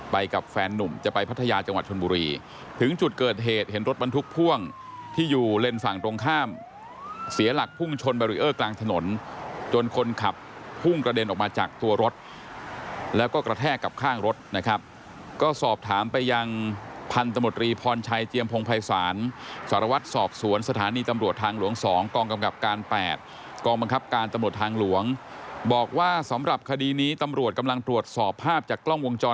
ไปกับแฟนหนุ่มจะไปพัทยาจังหวัดชนบุรีถึงจุดเกิดเหตุเห็นรถบรรทุกพ่วงที่อยู่เล่นฝั่งตรงข้ามเสียหลักพุ่งชนบริเออร์กลางถนนจนคนขับพุ่งกระเด็นออกมาจากตัวรถแล้วก็กระแทกกับข้างรถนะครับก็สอบถามไปยังพันธมตรีพรชัยเจียมพงภายสารสารวัตรสอบสวนสถานีตำรวจทางหลวง๒กองกำกับก